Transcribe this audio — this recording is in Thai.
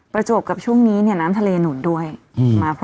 ประจวบกับช่วงนี้เนี่ยน้ำทะเลหนุนด้วย